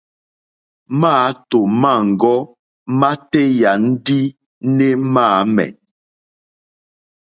Máàtò mâŋɡɔ́ mátéyà ndí né máǃámɛ̀.